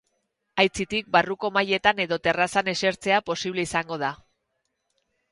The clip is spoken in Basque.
Aitzitik, barruko mahaietan edo terrazan esertzea posible izango da.